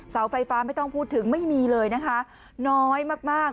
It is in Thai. เสาไฟฟ้าไม่ต้องพูดถึงไม่มีเลยนะคะน้อยมากมาก